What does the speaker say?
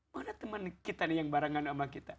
mana teman kita nih yang barengan sama kita